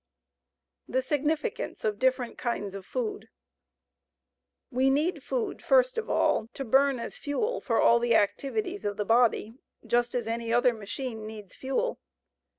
THE SIGNIFICANCE OF DIFFERENT KINDS OF FOOD We need food first of all to burn as fuel for all the activities of the body, just as any other machine needs fuel.